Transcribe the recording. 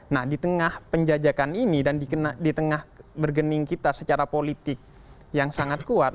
nah di tengah penjajakan ini dan di tengah bergening kita secara politik yang sangat kuat